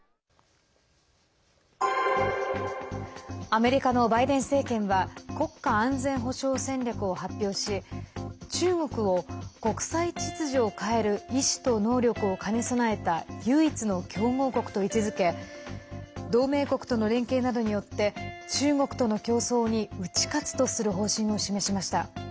アメリカのバイデン政権は国家安全保障戦略を発表し中国を国際秩序を変える意思と能力を兼ね備えた唯一の競合国と位置づけ同盟国との連携などによって中国との競争に打ち勝つとする方針を示しました。